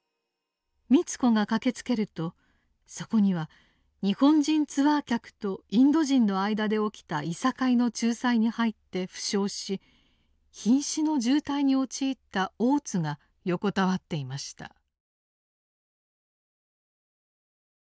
美津子が駆けつけるとそこには日本人ツアー客とインド人の間で起きたいさかいの仲裁に入って負傷し瀕死の重体に陥った大津が横たわっていました。